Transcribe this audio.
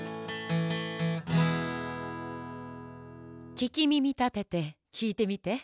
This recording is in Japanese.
ききみみたててきいてみて！